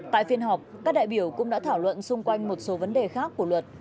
tại phiên họp các đại biểu cũng đã thảo luận xung quanh một số vấn đề khác của luật